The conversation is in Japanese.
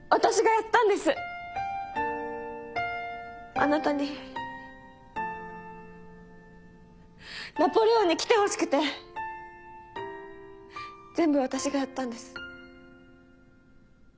あなたにナポレオンに来てほしくて全部私がやったんです。